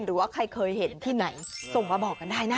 หรือว่าใครเคยเห็นที่ไหนส่งมาบอกกันได้นะ